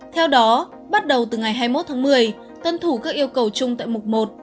theo đó bắt đầu từ ngày hai mươi một tháng một mươi tuân thủ các yêu cầu chung tại mục một